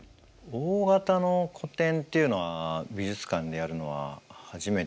大型の個展っていうのは美術館でやるのは初めてだったですね。